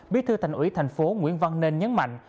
bí thư thành ủy thành phố nguyễn văn nên nhấn mạnh